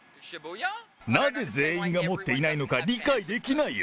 なぜ全員が持っていないのか、理解できないよ。